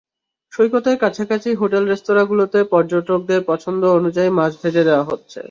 সৈকতের কাছাকাছি হোটেল– রেস্তোরাঁগুলোতে পর্যটকদের পছন্দ অনুযায়ী মাছ ভেজে দেওয়া হচ্ছে।